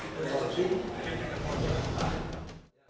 saya pengedar di sini